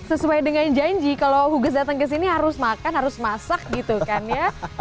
sesuai dengan janji kalau huges datang ke sini harus makan harus masak gitu kan ya